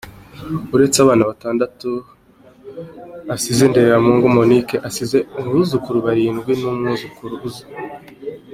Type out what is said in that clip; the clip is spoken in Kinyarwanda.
Uretse abana batandatu asize, Ndereremungu Monique asize abuzukuru barindwi n’umwuzukuruza.